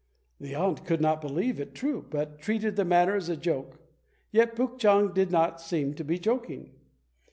The aunt could not believe it true, but treated the matter as a joke; and yet Puk chang did not seem to be joking.